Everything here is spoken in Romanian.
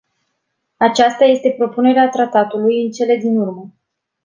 Aceasta este propunerea tratatului în cele din urmă.